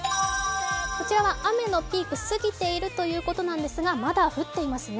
こちらは雨のピーク過ぎているということなんですがまだ降っていますね。